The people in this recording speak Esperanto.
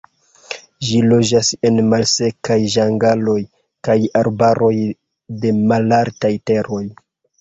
Ĝi loĝas en malsekaj ĝangaloj kaj arbaroj de malaltaj teroj.